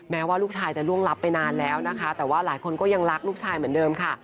แม้ว่าลูกชายจะล่วงลับไปนานแล้วนะคะแต่ว่าหลายคนก็ยังรักลูกชายเหมือนเดิมค่ะ